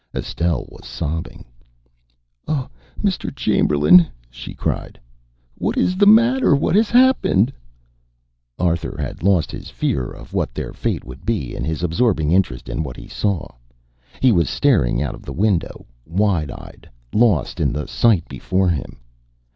Estelle was sobbing. "Oh, Mr. Chamberlain," she cried. "What is the matter? What has happened?" Arthur had lost his fear of what their fate would be in his absorbing interest in what he saw. He was staring out of the window, wide eyed, lost in the sight before him.